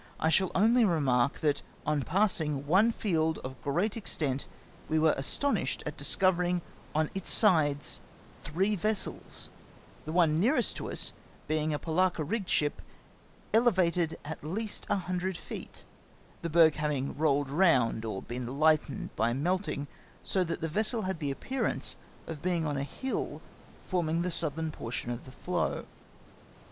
I shall only remark that on passing one field of great extent we were astonished at discoverino on its sides three vessels, the one nearest to us being a polacca rigged ship, elevated at least a hundred feet ; the berg having rolled round or been hghtened by 64 ICEBERGS. meltiiig, so that the vessel had the appearance of being on a hill forming the southern portion of the floe.